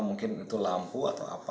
mungkin itu lampu atau apa